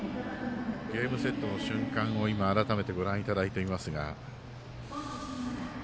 ゲームセットの瞬間を今、改めてご覧いただいていますが。